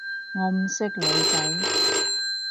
我唔識女仔